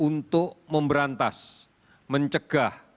untuk memberantas mencegah